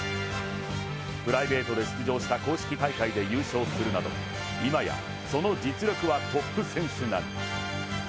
プライベートで出場した公式大会で優勝するなど、今やその実力はトップ選手並み。